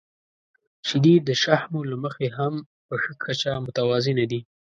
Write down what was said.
• شیدې د شحمو له مخې هم په ښه کچه متوازنه دي.